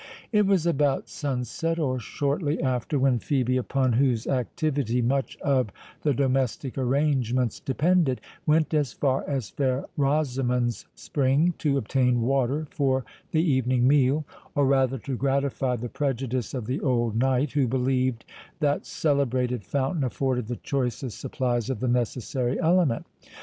It was about sunset, or shortly after, when Phœbe, upon whose activity much of the domestic arrangements depended, went as far as fair Rosamond's spring to obtain water for the evening meal, or rather to gratify the prejudice of the old knight, who believed that celebrated fountain afforded the choicest supplies of the necessary element.